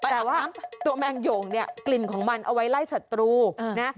แต่ว่าตัวแมงหย่งเนี่ยกลิ่นของมันเอาไว้ไล่สัตรูนะ